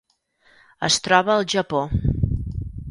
Es troba al Japó: